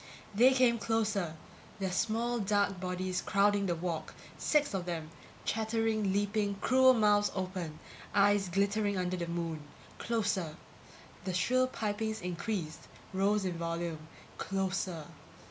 They came closer, their small dark bodies crowding the walk, six of them, chattering, leaping, cruel mouths open, eyes glittering under the moon. Closer. The shrill pipings increased, rose in volume. Closer.